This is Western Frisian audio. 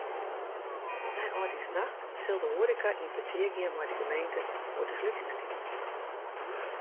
Nei âldjiersnacht sil de hoareka yn petear gean mei de gemeente oer de slutingstiden.